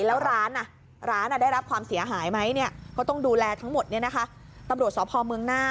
แล้วร้านน่ะได้รับความเสียหายไหมเนี่ยก็ต้องดูแลทั้งหมดเนี่ยนะ